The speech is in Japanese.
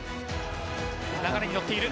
流れに乗っている。